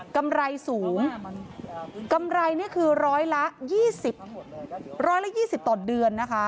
กำไรสูงกำไรนี่คือร้อยละยี่สิบร้อยละยี่สิบต่อเดือนนะคะ